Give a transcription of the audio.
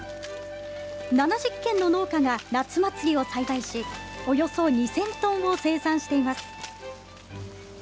７０軒の農家が夏祭りを栽培し、およそ２０００トンを生産しています。